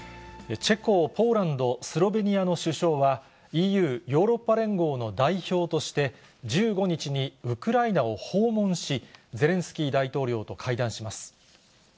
チェコ、ポーランド、スロベニアの首相は、ＥＵ・ヨーロッパ連合の代表として、１５日にウクライナを訪問し、ゼレンスキー大統領と会談します。